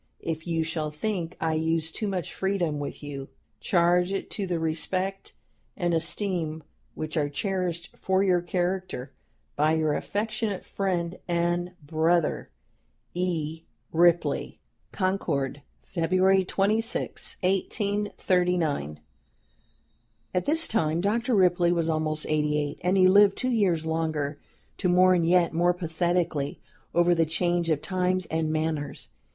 If you shall think I use too much freedom with you, charge it to the respect and esteem which are cherished for your character by your affectionate friend and brother, "E. RIPLEY. "CONCORD, February 26, 1839." At this time Dr. Ripley was almost eighty eight, and he lived two years longer, to mourn yet more pathetically over the change of times and manners.